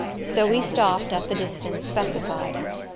So we stopped at the distance specified.